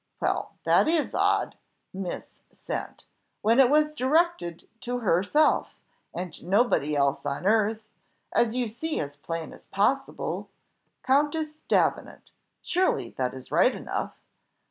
Well, that is odd! Mis sent! when it was directed to herself, and nobody else on earth, as you see as plain as possible Countess Davenant, surely that is right enough?"